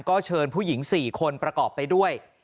ก็เชิญผู้หญิง๔คนประกอบไปด้วย